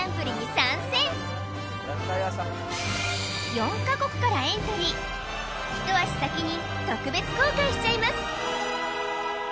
４カ国からエントリー一足先に特別公開しちゃいます